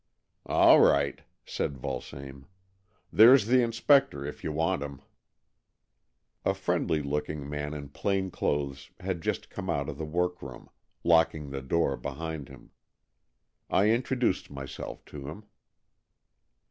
"All right," said Vulsame. "There's the inspector, if you want him." A friendly looking man in plain clothes had just come out of the workroom, locking the door behind him. I introduced myself to him.